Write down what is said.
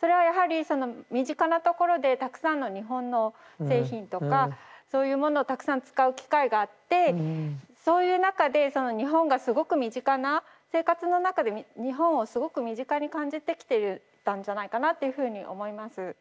それはやはり身近なところでたくさんの日本の製品とかそういうものをたくさん使う機会があってそういう中でその日本がすごく身近な生活の中で日本をすごく身近に感じてきてたんじゃないかなっていうふうに思います。